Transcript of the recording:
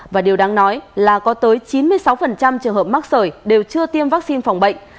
và điều đáng nói là có tới chín mươi sáu trường hợp mắc sởi đều chưa tiêm vaccine phòng bệnh